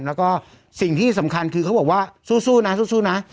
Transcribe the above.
แล้วก็สิ่งที่สำคัญคือเขาบอกว่าสู้นะสู้นะ